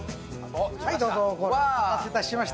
お待たせいたしました。